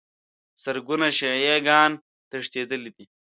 زرګونو شیعه ګان تښتېدلي دي.